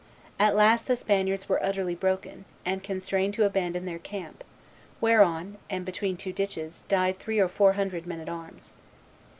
At last the Spaniards were utterly broken, and constrained to abandon their camp, whereon, and between two ditches, died three or four hundred men at arms.